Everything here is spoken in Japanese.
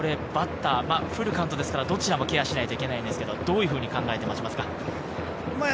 バッターフルカウントですから、どちらもケアしなきゃいけないんですけれど、どういうふうに考えますか？